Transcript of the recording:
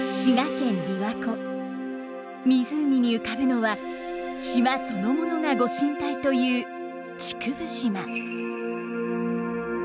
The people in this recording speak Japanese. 湖に浮かぶのは島そのものが御神体という竹生島。